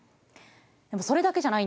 でもそれだけじゃないんです。